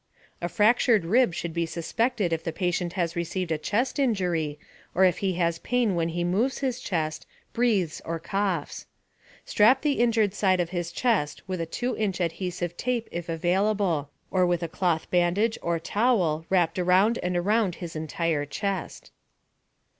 A FRACTURED RIB should be suspected if the patient has received a chest injury or if he has pain when he moves his chest, breathes, or coughs. Strap the injured side of his chest with 2 inch adhesive tape if available, or with a cloth bandage or towel wrapped around and around his entire chest.